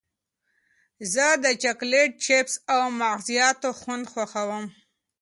زه د چاکلېټ، چېپس او مغزیاتو خوند خوښوم.